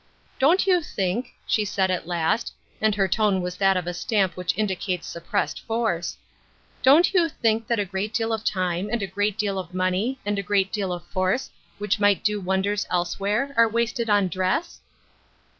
" Don't you think,'" she asked at last, and her tone was of that stamp which indicates suppressed force —" don't you think that a great deal of time, and a great deal of money, and a great deal of force, which might do wonders elsewhere, are wasted on dress